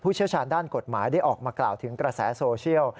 เชี่ยวชาญด้านกฎหมายได้ออกมากล่าวถึงกระแสโซเชียล